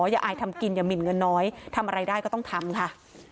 อายทำกินอย่าหมินเงินน้อยทำอะไรได้ก็ต้องทำค่ะ